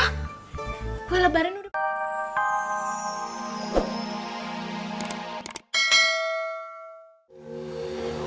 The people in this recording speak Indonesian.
hah kuala baran udah